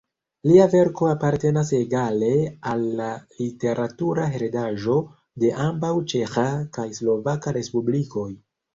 Lia verko apartenas egale al la literatura heredaĵo de ambaŭ ĉeĥa kaj slovaka respublikoj.